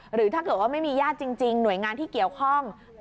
หรือถ้าเกิดว่าไม่มีญาติจริงหน่วยงานที่เกี่ยวข้อง